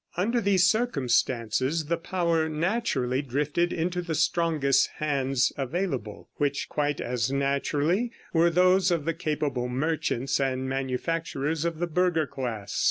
Under these circumstances, the power naturally drifted into the strongest hands available, which quite as naturally were those of the capable merchants and manufacturers of the burgher class.